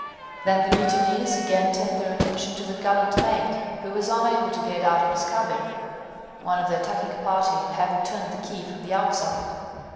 Then the mutineers again turned their attention to the gallant mate, who was unable to get out of his cabin, one of the attacking party having turned the key from the outside.